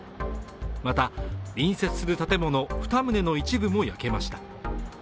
また、隣接する建物２棟の一部も焼けました。